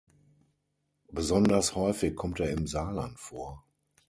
Besonders häufig kommt er im Saarland vor.